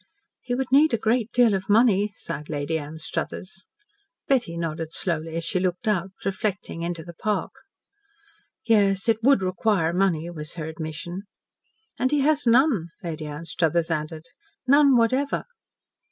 "He would need a great deal of money," sighed Lady Anstruthers. Betty nodded slowly as she looked out, reflecting, into the park. "Yes, it would require money," was her admission. "And he has none," Lady Anstruthers added. "None whatever."